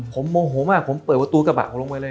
ผมโมโหมากผมเปิดประตูกระบะผมลงไปเลย